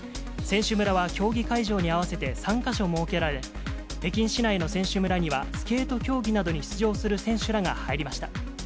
選手村は競技会場に合わせて３か所設けられ、北京市内の選手村には、スケート競技などに出場する選手らが入りました。